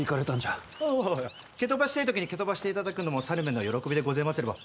おお蹴飛ばしてぇ時に蹴飛ばしていただくのも猿めの喜びでごぜますれば。